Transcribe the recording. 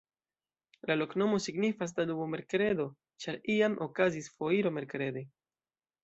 La loknomo signifas: Danubo-merkredo, ĉar iam okazis foiro merkrede.